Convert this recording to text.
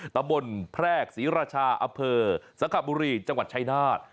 ตะบนแพรกศรีราชาอเผอร์สักครับบุรีจังหวัดชัยนาศ